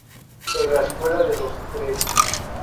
En la escuela de los Dres.